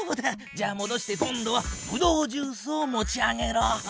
じゃあもどして今度はブドウジュースを持ち上げろ。